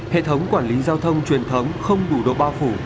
hệ thống quản lý giao thông truyền thống không đủ độ bao phủ